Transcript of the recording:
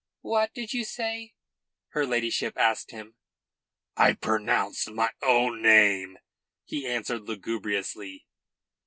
"What did you say?" her ladyship asked him. "I pronounced my own name," he answered lugubriously.